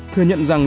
thừa nhận rằng